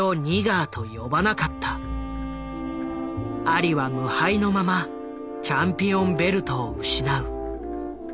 アリは無敗のままチャンピオンベルトを失う。